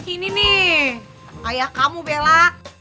ini nih ayah kamu bella